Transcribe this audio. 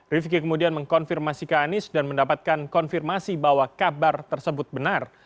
rifki kemudian mengkonfirmasi ke anies dan mendapatkan konfirmasi bahwa kabar tersebut benar